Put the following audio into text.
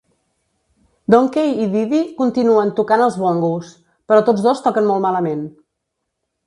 Donkey i Diddy continuen tocant els bongos, però tots dos toquen molt malament.